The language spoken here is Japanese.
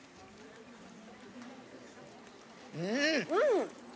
うん！